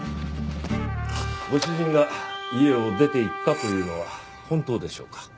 ご主人が家を出ていったというのは本当でしょうか？